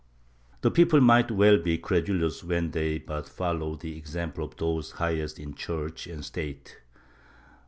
The people might well be credulous when they but fohowed the example of those highest in Church and State.